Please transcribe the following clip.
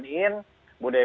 bodebek tidak boleh done out